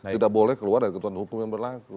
tidak boleh keluar dari ketentuan hukum yang berlaku